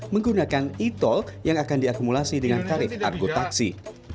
menggunakan etol yang akan diakumulasi dengan tarif argo taksi